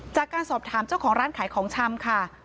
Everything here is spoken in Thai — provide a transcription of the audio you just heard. จากการสอบถามเจ้าของร้านขายของชำค่ะ